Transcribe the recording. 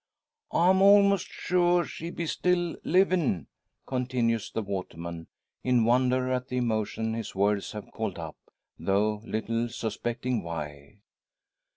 "I'm almost sure she be still livin'," continues the waterman, in wonder at the emotion his words have called up, though little suspecting why.